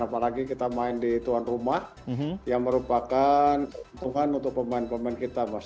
apalagi kita main di tuan rumah yang merupakan tuhan untuk pemain pemain kita mas